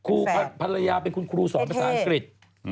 ครูภัยป้าลายาเป็นคุญครูสอนภาษาอังกฤษ